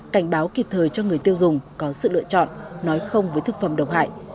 cảnh báo kịp thời cho người tiêu dùng có sự lựa chọn nói không với thực phẩm độc hại